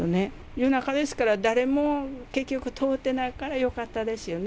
夜中ですから、誰も結局、通ってないからよかったですよね。